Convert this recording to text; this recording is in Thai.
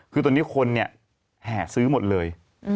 คือตอนนี้คนแห่ซื้อหมดเลย